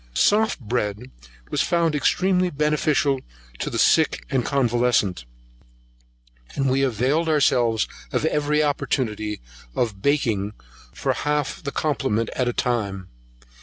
Soft bread was found extremely beneficial to the sick and convalescent, and we availed ourselves of every opportunity of baking for half the complement at a time.